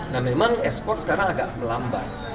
nah memang ekspor sekarang agak melambat